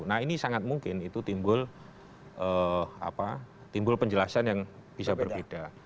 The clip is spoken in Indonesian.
nah ini sangat mungkin itu timbul penjelasan yang bisa berbeda